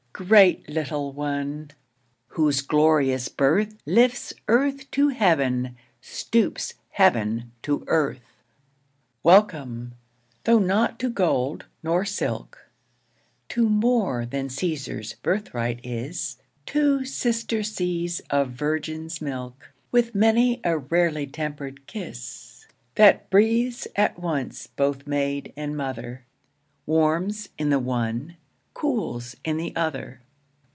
Great little one, whose glorious birth, Lifts Earth to Heaven, stoops heaven to earth. Welcome, though not to gold, nor silk, To more than Cæsar's birthright is, Two sister seas of virgin's milk, WIth many a rarely temper'd kiss, That breathes at once both maid and mother, Warms in the one, cools in the other.